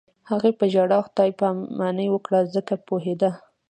هغې په ژړا خدای پاماني وکړه ځکه پوهېده